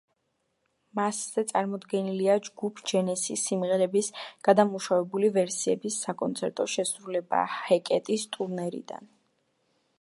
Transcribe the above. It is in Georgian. მასზე წარმოდგენილია ჯგუფ ჯენესისის სიმღერების გადამუშავებული ვერსიების საკონცერტო შესრულება, ჰეკეტის ტურნედან.